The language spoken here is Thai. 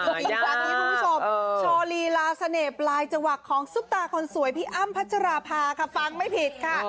อีกครั้งนี้คุณผู้ชมโชว์ลีลาเสน่ห์ปลายจวักของซุปตาคนสวยพี่อ้ำพัชราภาค่ะฟังไม่ผิดค่ะ